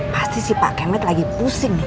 pasti si pak kemet lagi pusing nih